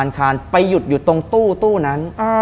ไปหยุดอยู่ตรงตู้นั้น